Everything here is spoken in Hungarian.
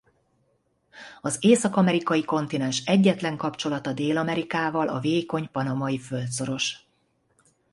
Az észak-amerikai kontinens egyetlen kapcsolata Dél-Amerikával a vékony Panamai-földszoros.